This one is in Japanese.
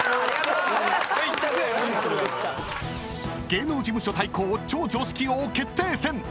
［芸能事務所対抗超常識王決定戦］